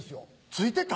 ついてた？